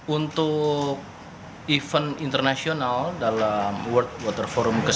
untuk event internasional dalam world water forum ke sepuluh dua ribu dua puluh empat di bali ini